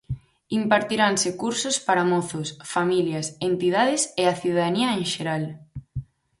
Impartiranse cursos para mozos, familias, entidades e a cidadanía en xeral.